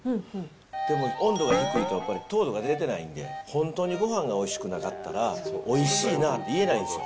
でも温度が低いと、やっぱり糖度が出てないんで、本当にごはんがおいしくなかったら、おいしいなって言えないんですよ。